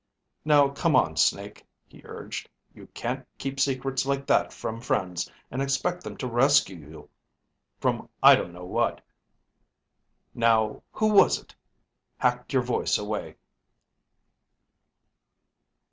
"Now come on, Snake," he urged. "You can't keep secrets like that from friends and expect them to rescue you from I don't know what. Now who was it hacked your voice away?"